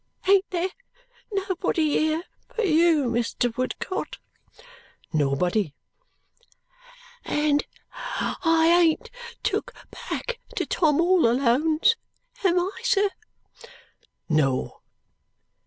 Ain't there nobody here but you, Mr. Woodcot?" "Nobody." "And I ain't took back to Tom all Alone's. Am I, sir?" "No."